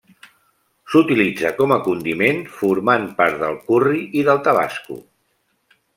S'utilitza com a condiment, formant part del curri i del tabasco.